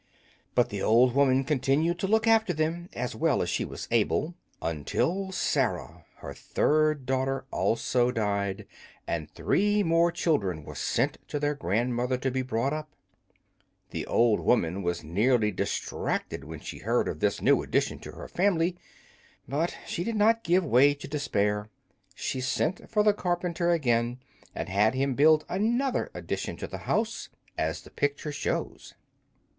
But the old woman continued to look after them, as well as she was able, until Sarah, her third daughter, also died, and three more children were sent to their grandmother to be brought up. The old woman was nearly distracted when she heard of this new addition to her family, but she did not give way to despair. She sent for the carpenter again, and had him build another addition to her house, as the picture shows.